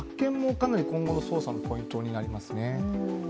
かなり今後の捜査のポイントになりますね。